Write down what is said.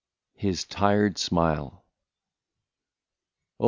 148 HIS TIRED SMILE. Oh